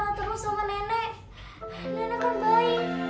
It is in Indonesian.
nenek kan baik